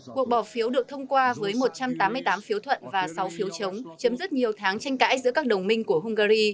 cuộc bỏ phiếu được thông qua với một trăm tám mươi tám phiếu thuận và sáu phiếu chống chấm dứt nhiều tháng tranh cãi giữa các đồng minh của hungary